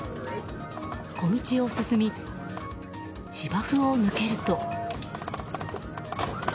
小道を進み、芝生を抜けると。